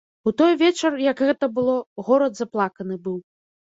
У той вечар, як гэта было, горад заплаканы быў.